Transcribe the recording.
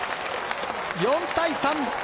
４対３。